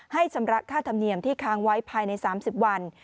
ชำระค่าธรรมเนียมที่ค้างไว้ภายใน๓๐วัน